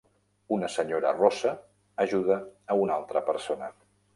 Una senyora rossa ajuda a una altra persona.